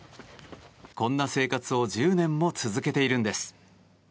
こんな生活を１０年も続けているんです。